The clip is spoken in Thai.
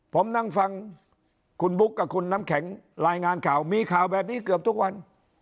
ผมนั่งฟังคุณบุ๊คกับคุณน้ำแข็งรายงานข่าวมีข่าวแบบนี้เกือบทุกวัน